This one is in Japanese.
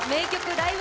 ライブ！」